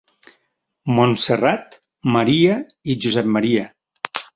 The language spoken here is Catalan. Montserrat, Maria i Josep Maria.